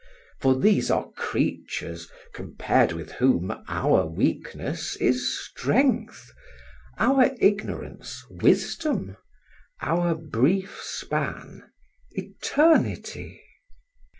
For these are creatures, compared with whom our weakness is strength, our ignorance wisdom, our brief span eternity.